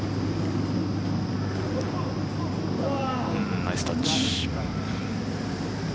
ナイスタッチ。